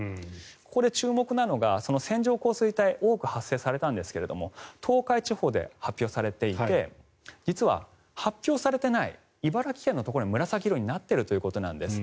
これ、注目なのが線状降水帯多く発生したんですが東海地方で発表されていて実は発表されていない茨城県のところが紫色になっているということです。